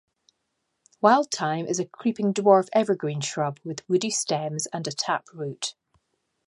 Wild thyme is a creeping dwarf evergreen shrub with woody stems and a taproot.